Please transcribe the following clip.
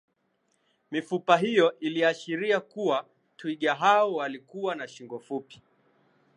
mifupa hiyo iliashiria kuwa twiga hao walikuwa na shingo fupi